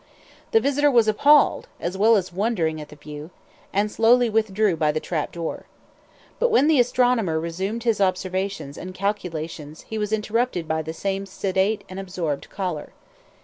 The visitor was appalled, as well as wondering at the view, and slowly withdrew by the trap door. But when the astronomer resumed his observations and calculations he was interrupted by the same sedate and absorbed caller.